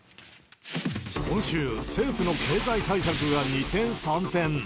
今週、政府の経済対策が二転三転。